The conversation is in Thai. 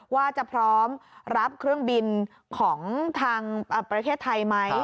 ว่าจะพร้อมรับเครื่องบินของทางประเทศไทยไหม